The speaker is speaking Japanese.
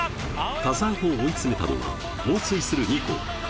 田澤を追い詰めたのは猛追する２校。